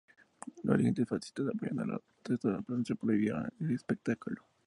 Los dirigentes fascistas, apoyando las protestas de la prensa, prohibieron el espectáculo.